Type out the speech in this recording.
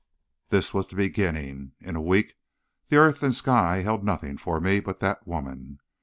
"This was the beginning. In a week the earth and sky held nothing for me but that woman.